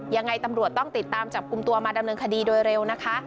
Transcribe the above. ยังไงตำรวจต้องติดตามจับกลุ่มตัวมาดำเนินคดีโดยเร็วนะคะ